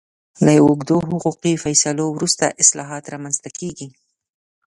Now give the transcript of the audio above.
له اوږدو حقوقي فیصلو وروسته اصلاحات رامنځته کېږي.